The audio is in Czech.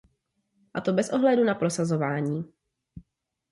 A to bez ohledu na prosazování.